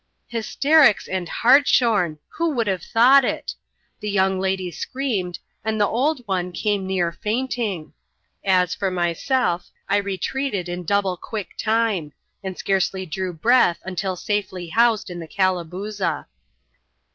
Hysterics and hartshorn! who would have thought it? The young lady screamed, and the old one came near fainting. As for myself, I retreated, in double quick time ; and scarcely drew breath, until safely housed in the Calabooza.